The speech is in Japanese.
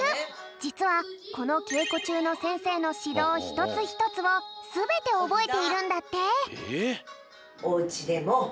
じつはこのけいこちゅうのせんせいのしどうひとつひとつをすべておぼえているんだって。